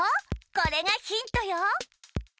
これがヒントよ。